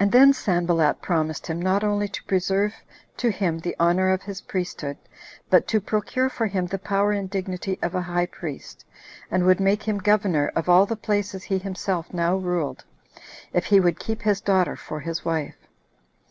And then Sanballat promised him not only to preserve to him the honor of his priesthood, but to procure for him the power and dignity of a high priest, and would make him governor of all the places he himself now ruled, if he would keep his daughter for his wife.